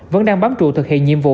vẫn đang bám trụ thực hiện nhiệm vụ